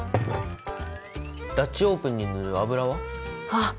ダッチオーブンに塗る油は？